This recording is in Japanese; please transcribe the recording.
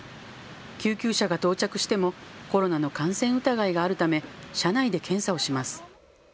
救急車が到着してもコロナの感染疑いがあるため車内で検査をします。